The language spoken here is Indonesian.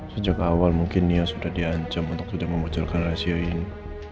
sejak awal mungkin nia sudah diancam untuk tidak memunculkan rasio ini